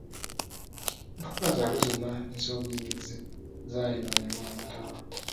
Empapula zaabwe zonna ez'obuyigirize zaayonoonebwa amataba.